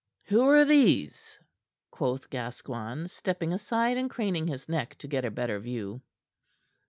"Who are these?" quoth Gascoigne, stepping aside and craning his neck to get a better view.